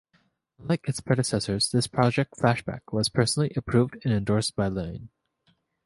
Unlike its predecessors, this project, "Flashback", was personally approved and endorsed by Lynne.